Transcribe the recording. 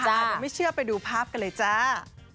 เดี๋ยวไม่เชื่อไปดูภาพกันเลยจ้า